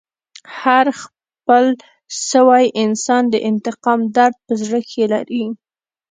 هر خپل سوی انسان د انتقام درد په زړه کښي لري.